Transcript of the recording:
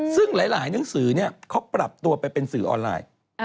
ซึ่งหลายหนังสือเขาปรับตัวไปเป็นสื่อออนไลน์